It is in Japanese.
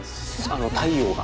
太陽が。